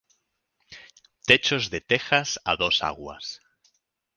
Techos de tejas a dos aguas.